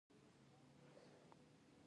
لسګونه او زرګونه غلامان به پکې په کار بوخت وو.